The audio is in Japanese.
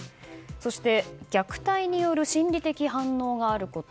そして虐待による心理的反応があること。